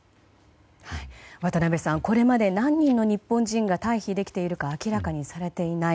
渡辺さん、これまで何人の日本人が退避できているか明らかにされていない。